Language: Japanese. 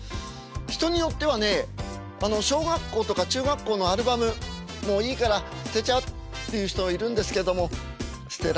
人によってはね小学校とか中学校のアルバムもういいから捨てちゃうっていう人いるんですけども捨てられないですよねえ。